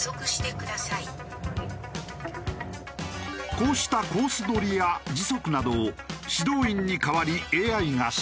こうしたコース取りや時速などを指導員に代わりＡＩが指示。